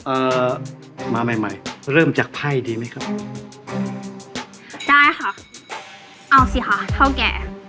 เอ่อมาใหม่ใหม่เริ่มจากไพ่ดีไหมครับได้ค่ะเอาสิค่ะเท่าแก่